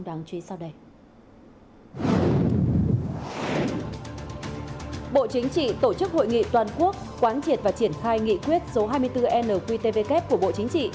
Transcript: bộ chính trị tổ chức hội nghị toàn quốc quán triệt và triển khai nghị quyết số hai mươi bốn nqtvk của bộ chính trị